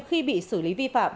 khi bị xử lý vi phạm